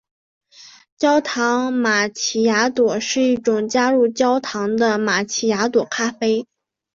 焦糖玛琪雅朵是一种加入焦糖的玛琪雅朵咖啡。